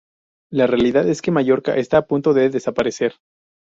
La realidad es que el Mallorca está a punto de desaparecer.